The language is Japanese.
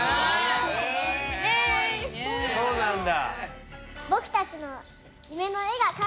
そうなんだ。